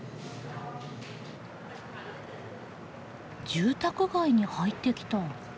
住宅街に入ってきた。